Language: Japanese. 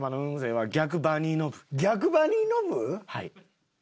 はい。